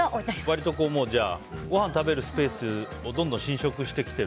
割とごはん食べるスペースをどんどん浸食してきてる？